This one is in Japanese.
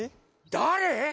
だれ？